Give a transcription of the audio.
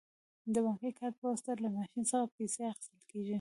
د بانکي کارت په واسطه له ماشین څخه پیسې اخیستل کیږي.